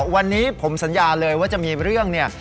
วันนี้ผมสัญญาเลยว่าจะมีเรื่องเนี่ย